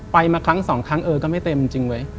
ไปมาครั้งสองครั้งเออก็ไม่เต็มจริงเว้ย